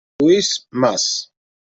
Lluís Mas